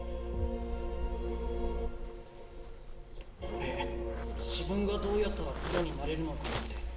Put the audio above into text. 俺自分がどうやったらプロになれるのかなんて